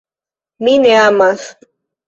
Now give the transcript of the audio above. Mi ne amas.